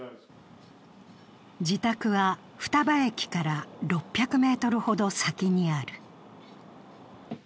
自宅は双葉駅から６００ｍほど先にある。